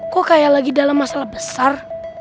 kok kayak lagi dalam masalah besar